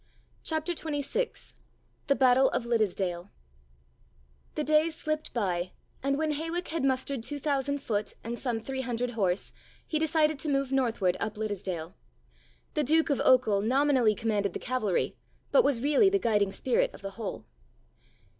CHAPTER XXVI THE BATTLE OF LIDDISDALE The days slipped by and when Hawick had mustered two thousand foot and some 300 horse he decided to move northward up Liddisdale. The Duke of Ochil nominally commanded the cavalry, but was really the guiding spirit of the whole.